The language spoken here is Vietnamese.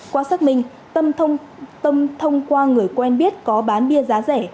qua xác minh tâm thông qua người quen biết có bán bia giá rẻ